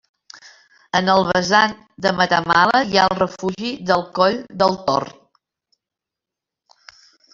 En el vessant de Matamala hi ha el Refugi del Coll del Torn.